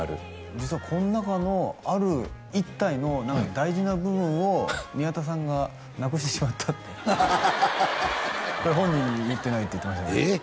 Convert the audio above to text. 実はこの中のある１体の大事な部分を宮田さんがなくしてしまったってこれ本人に言ってないって言ってましたけどええっ？